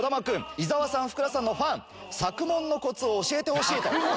伊沢さんふくらさんのファン作問のコツを教えてほしいと。